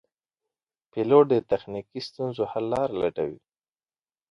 پیلوټ د تخنیکي ستونزو حل لاره لټوي.